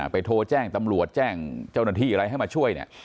โทรแจ้งตำรวจแจ้งเจ้าหน้าที่อะไรให้มาช่วยเนี่ย